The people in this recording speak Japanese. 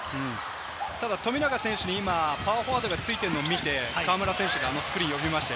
富永選手にパワーフォワードがついているのを見て、河村選手がスクリーンを呼びました。